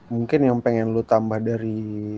mungkin yang pengen lu tambah dari